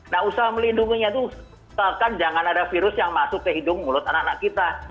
nah usaha melindunginya itu bahkan jangan ada virus yang masuk ke hidung mulut anak anak kita